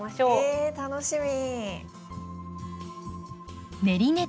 え楽しみ！